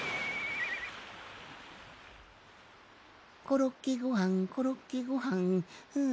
「コロッケごはんコロッケごはん」んん。